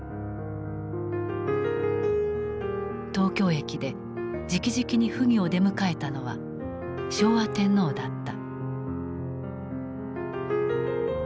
東京駅でじきじきに溥儀を出迎えたのは昭和天皇だった。